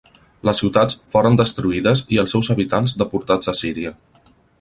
Les ciutats foren destruïdes i els seus habitants deportats a Síria.